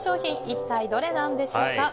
一体どれなんでしょうか。